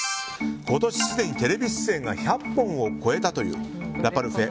今年、すでにテレビ出演が１００本を超えたというラパルフェ